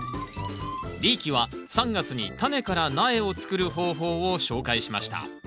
リーキは３月にタネから苗を作る方法を紹介しました。